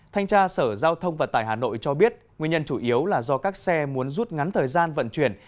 thanh tra sở giao thông vận tải hà nội cho biết nguyên nhân chủ yếu là do các xe muốn rút ngắn thời gian vận chuyển